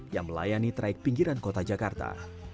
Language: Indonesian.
yang melayani traik pinggiran kota jakarta